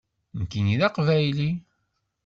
Nekkini d aqbayli.